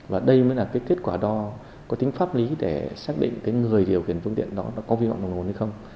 và đây mới là kết quả đo có tính pháp lý để xác định người điều khiển phương tiện đó có vi mọng đồng hồn hay không